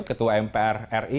ketua mpr ri